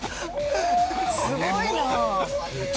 すごいな！